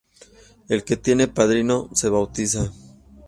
El que tiene padrino, se bautiza